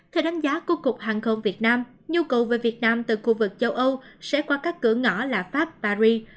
theo đánh giá của cục hàng không việt nam nhu cầu về việt nam từ khu vực châu âu sẽ qua các cửa ngõ là pháp paris